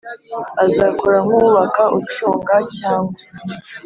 azakora nk uwubaka ucunga cyangwa